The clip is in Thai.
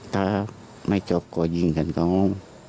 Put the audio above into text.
ถ้าไม่จบก่อยิงกันก็งง